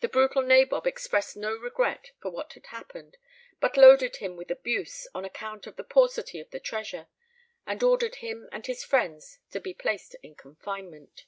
The brutal nabob expressed no regret for what had happened, but loaded him with abuse on account of the paucity of the treasure, and ordered him and his friends to be placed in confinement.